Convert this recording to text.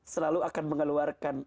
selalu akan mengeluarkan